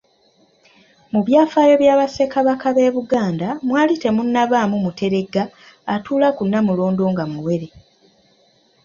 Mu byafaayo bya Bassekabaka b'e Buganda mwali temunnabaamu muteregga atuula ku Nnamulondo nga muwere.